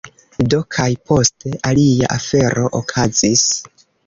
Do, kaj poste, alia afero okazis: